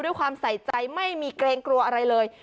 ด้วยความใส่ใจไม่มีเกรงกลัวอะไรเลย